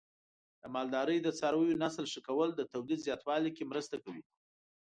د مالدارۍ د څارویو نسل ښه کول د تولید زیاتوالي کې مرسته کوي.